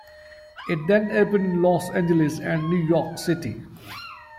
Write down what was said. It then opened in Los Angeles and New York City.